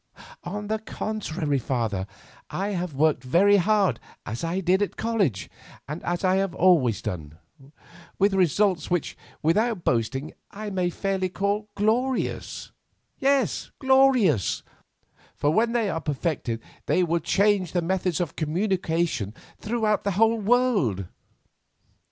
On the contrary, father, I have worked very hard, as I did at college, and as I have always done, with results which, without boasting, I may fairly call glorious—yes, glorious—for when they are perfected they will change the methods of communication throughout the whole world."